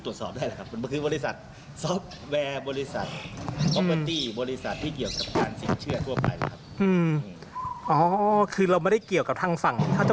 ตรวจสอบบริษัทบริษัทฮืมอ๋อคือเราไม่เรียกกับทางฝั่งถ้าจะ